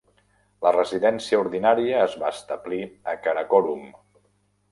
La residència ordinària es va establir a Karakorum.